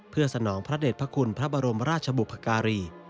เพื่อสนองพระเด็จพระคุณพระบรมราชบุพการี